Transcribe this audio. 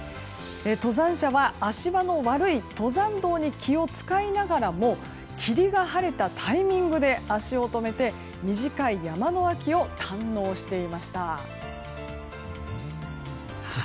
登山者は、足場の悪い登山道に気を使いながらも霧が晴れたタイミングで足を止めて短い山の秋を堪能していました。